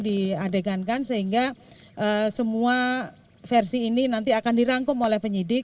diadegankan sehingga semua versi ini nanti akan dirangkum oleh penyidik